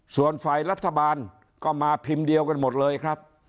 ส่วนฝ่ายรัฐบาลก็มาพิมพ์เดียวกันหมดเลยครับ